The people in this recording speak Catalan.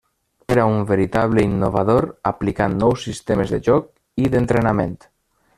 Era un veritable innovador, aplicant nous sistemes de joc i d'entrenament.